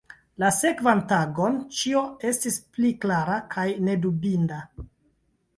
La sekvan tagon ĉio estis pli klara kaj nedubinda.